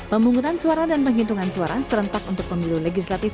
pemungutan suara dan penghitungan suara serentak untuk pemilu legislatif